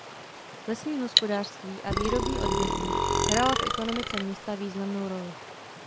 Lesní hospodářství a výrobní odvětví hrála v ekonomice města významnou roli.